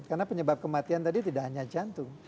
karena penyebab kematian tadi tidak hanya jantung